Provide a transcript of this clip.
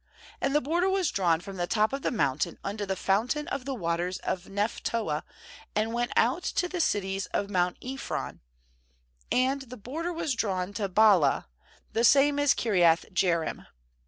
9And the border was drawn from the top of the moun tain unto the fountain of the waters of Nephtoah, and went out to the cities of mount Ephron; and the border was drawn to Baalah — the same is Ejriath jearim.